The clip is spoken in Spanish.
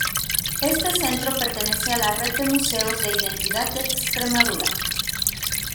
Este centro pertenece a la red de Museos de Identidad de Extremadura.